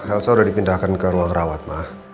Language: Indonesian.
elsa sudah dipindahkan ke ruang rawat